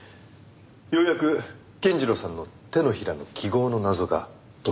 ようやく健次郎さんの手のひらの記号の謎が解けたので。